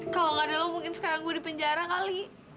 kalau gak ada lo mungkin sekarang gue di penjara kali